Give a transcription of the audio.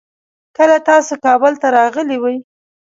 کله تاسو کابل ته راغلې وي؟